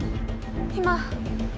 今。